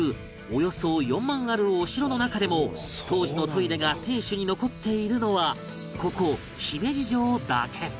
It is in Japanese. およそ４万あるお城の中でも当時のトイレが天守に残っているのはここ姫路城だけ